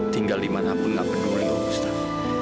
tinggal dimanapun gak peduli om gustaf